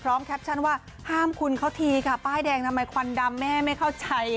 แคปชั่นว่าห้ามคุณเขาทีค่ะป้ายแดงทำไมควันดำแม่ไม่เข้าใจ